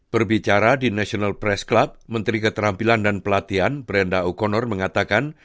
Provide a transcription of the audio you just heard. berbicara di national press club menteri keterampilan dan pelatihan brenda ukonor mengatakan